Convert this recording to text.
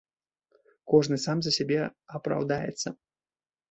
Кожны сам за сябе апраўдаецца.